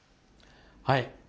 はい。